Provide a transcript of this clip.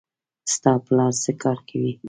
ستا پلار څه کار کوي